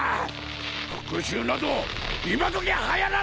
復讐など今どきはやらぬぞ！